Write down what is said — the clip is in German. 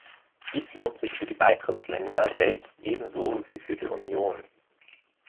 Dies lohnt sich für die Beitrittsländer selbst ebenso wie für die Union.